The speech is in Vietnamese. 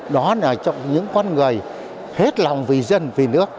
đó là những con người hết lòng vì dân vì nước